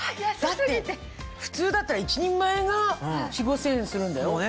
普通だったら１人前が４０００５０００円するんだよ。